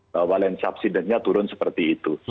bahwa land subsidence nya turun seperti itu